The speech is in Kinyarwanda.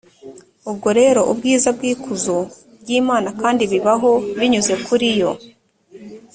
ubwo rero ubwiza bw’ikuzo ry’imana kandi bibaho binyuze kuri yo